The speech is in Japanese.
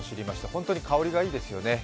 本当に、香りがいいですよね。